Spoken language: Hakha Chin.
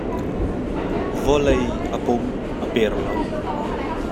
Vawlei a pum, a per lo.